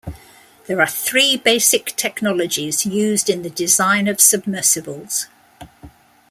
There are three basic technologies used in the design of submersibles.